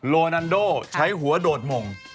โลนันโดใช้หัวโดดหม่ง